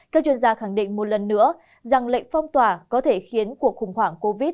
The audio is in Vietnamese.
các chuyên gia khẳng định một lần nữa rằng lệnh phong tỏa có thể khiến cuộc khủng hoảng covid một mươi chín